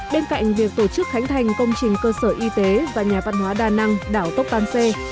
bên cạnh việc tổ chức khánh thành công trình cơ sở y tế và nhà văn hóa đa năng đảo tốc tan xê